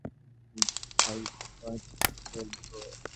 বাইফ্রস্টকে তলব করো।